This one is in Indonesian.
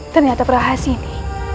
ternyata perlahan sini